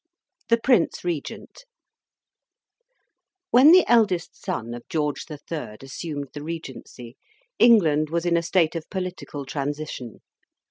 THE PRINCE REGENT When the eldest son of George the Third assumed the Regency, England was in a state of political transition.